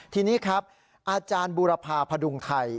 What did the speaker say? ทีนี้ครับอาจารย์บูรพาพดุงไทย